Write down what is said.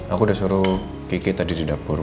aku udah suruh kiki tadi di dapur